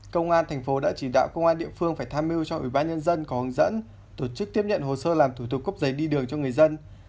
công an thành phố đã chỉ đạo công an địa phương phải tham mưu cho ủy ban nhân dân có hướng dẫn tổ chức tiếp nhận hồ sơ làm thủ tục cấp giấy đi đường cho người dân